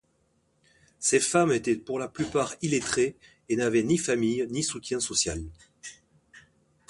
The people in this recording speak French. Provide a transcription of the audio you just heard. Ces femmes étaient pour la plupart illettrées et n'avaient ni famille ni soutien social.